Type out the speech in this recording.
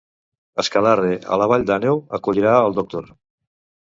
Escalarre, a la vall d'Àneu, acollirà el doctor.